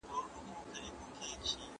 زه په نرمښت کولو بوخت یم.